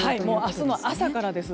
明日の朝からです。